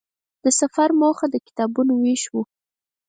د سفر موخه د کتابونو وېش وه.